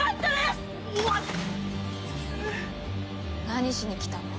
何しに来たの？